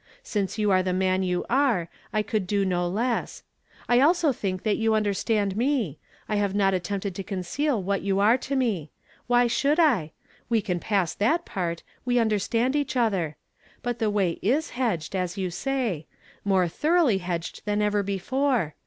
Since you are the man you are, I could do no less. I also think that you iinderstand me ; I have not attempted to conceal what you are to me. Why should I? We can pass that part; we un derstand each other. But the way is hedged, as you say ; more thoroughly hedged than ever before.